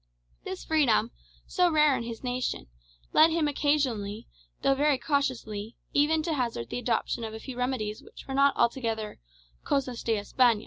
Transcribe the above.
This freedom, so rare in his nation, led him occasionally, though very cautiously, even to hazard the adoption of a few remedies which were not altogether "cosas de Espana."